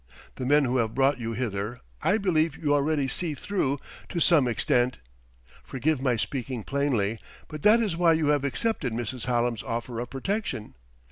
The men who have brought you hither, I believe you already see through, to some extent. Forgive my speaking plainly ... But that is why you have accepted Mrs. Hallam's offer of protection.